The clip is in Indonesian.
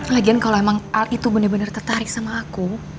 lagian kalau emang al itu benar benar tertarik sama aku